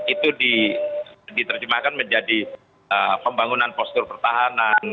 itu diterjemahkan menjadi pembangunan postur pertahanan